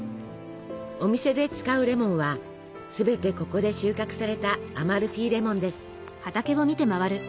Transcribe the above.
お店で使うレモンは全てここで収穫されたアマルフィレモンです。